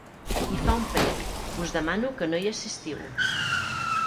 I fa un prec: Us demano que no hi assistiu.